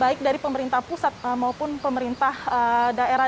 baik dari pemerintah pusat maupun pemerintah daerah